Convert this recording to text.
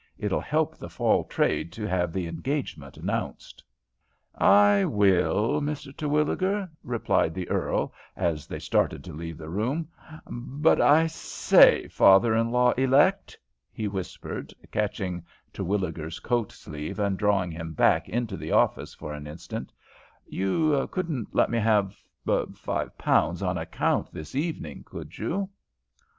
It'll help the fall trade to have the engagement announced." "I will, Mr. Terwilliger," returned the earl, as they started to leave the room; "but I say, father in law elect," he whispered, catching Terwilliger's coat sleeve and drawing him back into the office for an instant, "you couldn't let me have five pounds on account this evening, could you?"